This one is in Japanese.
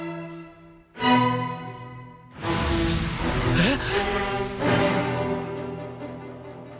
えっ！？